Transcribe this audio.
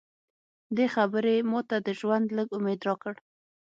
دې خبرې ماته د ژوند لږ امید راکړ